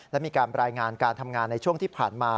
และมีการรายงานการทำงานในช่วงที่ผ่านมา